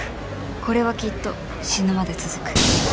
これはきっと死ぬまで続く